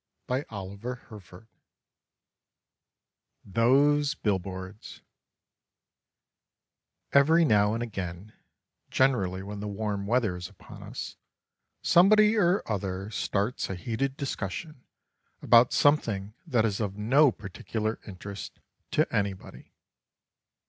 THOSE BILL BOARDS Every now and again, generally when the warm weather is upon us, somebody or other starts a heated discussion about something that is of no particular interest to anybody.